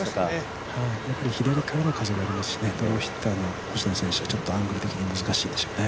やっぱり左からの風がありますしね、ドローヒッターの星野選手はアングル的に厳しいですよね。